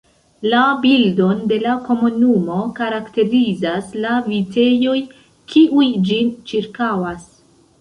La bildon de la komunumo karakterizas la vitejoj, kiuj ĝin ĉirkaŭas.